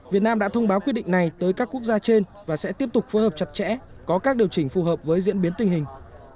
việt nam đã thông báo quyết định này tới các quốc gia trên và sẽ tiếp tục phối hợp chặt chẽ có các điều chỉnh phù hợp với diễn biến tình hình